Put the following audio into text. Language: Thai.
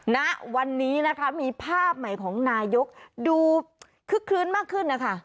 ณวันนี้นะคะมีภาพใหม่ของนายกดูคึกคลื้นมากขึ้นนะคะ